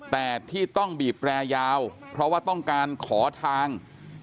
แต่ที่ต้องบีบแรยาวเพราะว่าต้องการขอทาง